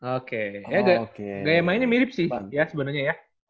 oke gaya mainnya mirip sih ya sebenarnya ya